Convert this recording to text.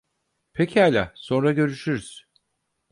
Pekâlâ, sonra görüşürüz.